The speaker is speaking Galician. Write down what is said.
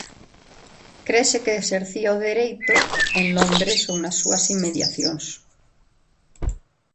Crese que exercía o Dereito en Londres ou nas súas inmediacións.